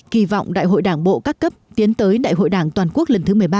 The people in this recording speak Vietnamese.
kỳ vọng đại hội đảng bộ các cấp tiến tới đại hội đảng toàn quốc lần thứ một mươi ba